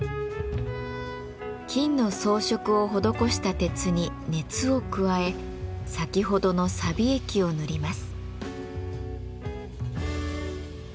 金の装飾を施した鉄に熱を加え先ほどのさび液を塗ります。